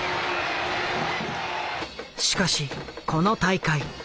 しかしこの大会。